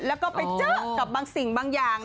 แล้วก็ไปเจอกับบางสิ่งบางอย่าง